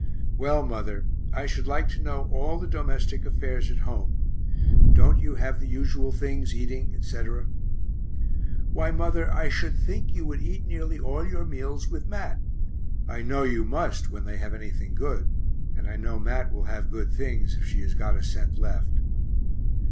Well, mother, I should like to know all the domestic affairs at home; don't you have the usual things eating, etc.? Why, mother, I should think you would eat nearly all your meals with Mat I know you must when they have anything good (and I know Mat will have good things if she has got a cent left).